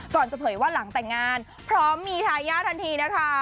จะเผยว่าหลังแต่งงานพร้อมมีทายาททันทีนะคะ